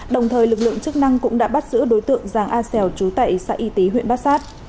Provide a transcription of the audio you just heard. đồng thời lực lượng chức năng cũng đã bắt giữ đối tượng giàng a khoa chú tẩy xã y tý huyện bát sát